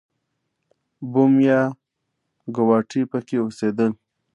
بوم یا ګواټي پکې اوسېدل.